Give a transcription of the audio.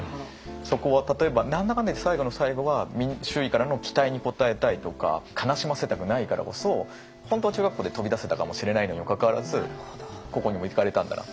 そこは例えば何だかんだいって最後の最後は周囲からの期待に応えたいとか悲しませたくないからこそ本当は中学校で飛び出せたかもしれないのにもかかわらず高校にも行かれたんだな。